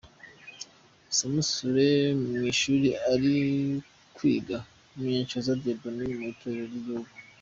Samusure mu ishuri ari kwigaMunyenshoza Dieudonne mu itorero ry'igihugu.